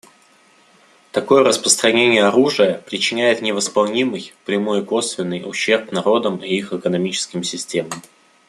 Такое распространение оружия причиняет невосполнимый — прямой и косвенный — ущерб народам и их экономическим системам.